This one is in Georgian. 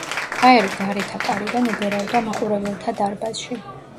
ჰაერი გარეთა კარიდან უბერავდა მაყურებელთა დარბაზში.